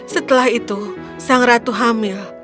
setelah itu sang ratu hamil